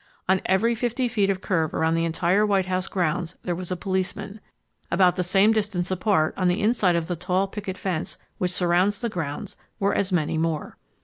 On every fifty feet of curb around the entire White House grounds there was a policeman., About the same distance apart on the inside of the tall picket fence which surrounds the grounds were as many more.